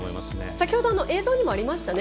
先ほどの映像にもありましたね。